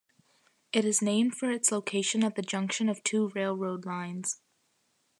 It is named for its location at the junction of two railroad lines.